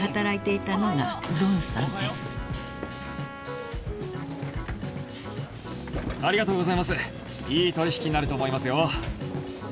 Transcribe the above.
いい取引になると思いますよ。